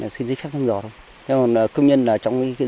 xin giấy phép thăm dò thôi